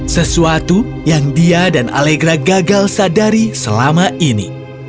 sesuatu yang dia dan alegra gagal sadari selama ini